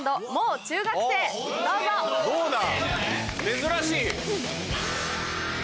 珍しい。